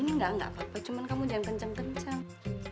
ini enggak enggak apa apa cuma kamu jangan kencang kencang